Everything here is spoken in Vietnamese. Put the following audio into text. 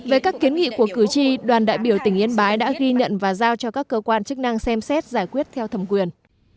về các kiến nghị của cử tri đoàn đại biểu tỉnh yên bái đã ghi nhận và giao cho các cơ quan chức năng xem xét giải quyết theo thẩm quyền